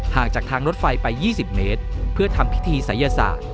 จากทางรถไฟไป๒๐เมตรเพื่อทำพิธีศัยศาสตร์